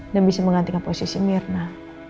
bisa menggantikan posisi mirna